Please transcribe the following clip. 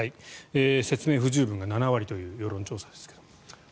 説明不十分が７割という世論調査ですが。